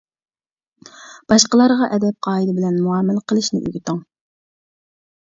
باشقىلارغا ئەدەپ-قائىدە بىلەن مۇئامىلە قىلىشنى ئۆگىتىڭ.